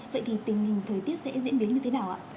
vậy thì tình hình thời tiết sẽ diễn biến như thế nào ạ